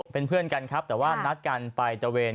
เป็นเพื่อนกันครับแต่ว่านัดกันไปตะเวน